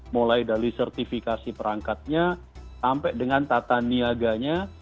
mulai dari sertifikasi perangkatnya sampai dengan tata niaganya